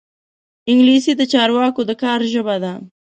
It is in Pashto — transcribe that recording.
انګلیسي د چارواکو د کار ژبه ده